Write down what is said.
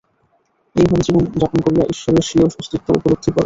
এইভাবে জীবন যাপন করিয়া ঈশ্বরে স্বীয় অস্তিত্ব উপলব্ধি কর।